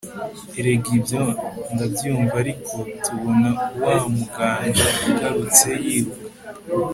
erega ibyo ndabyumva ariko, tubona wa muganga agarutse yiruka